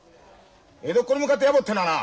江戸っ子に向かってやぼってのはな